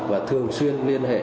và thường xuyên liên hệ